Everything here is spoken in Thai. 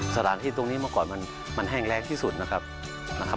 สถานที่ตรงนี้เมื่อก่อนมันแห้งแรงที่สุดนะครับ